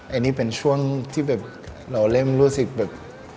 อันนี้เป็นช่วงที่แบบเราเริ่มรู้สึกแบบ